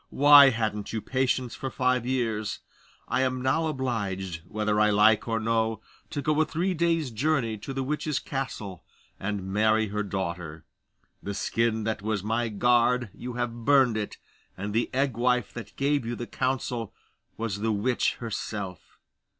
Why hadn't you patience for five years? I am now obliged, whether I like or no, to go a three days' journey to the witch's castle, and marry her daughter. The skin that was my guard you have burned it, and the egg wife that gave you the counsel was the witch herself.